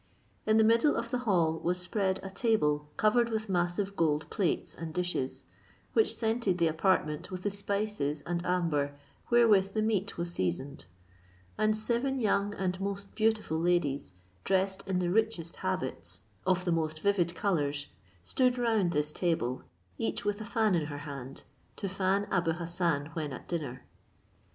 In the middle of the hall was spread a table covered with massive gold plates and dishes, which scented the apartment with the spices and amber wherewith the meat was seasoned; and seven young and most beautiful ladies, dressed in the richest habits of the most vivid colours, stood round this table, each with a fan in her hand, to fan Abou Hassan when at dinner.